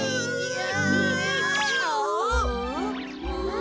あ！